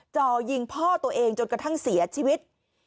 จ่อยิงพ่อตัวเองจนกระทั่งเสียชีวิต